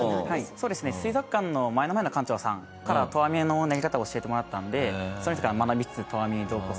そうですね水族館の前の前の館長さんから投網の投げ方を教えてもらったのでその人から学びつつ投網に同行させてもらって。